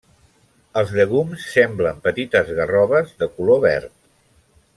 Els llegums semblen petites garroves de color verd.